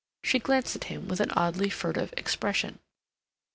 She glanced at him with an oddly furtive expression.